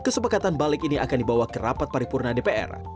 kesepakatan balik ini akan dibawa ke rapat paripurna dpr